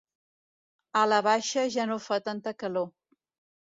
A la baixa ja no fa tanta calor.